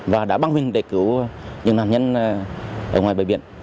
và đã mang mình để cứu những nạn nhân ở ngoài bãi biển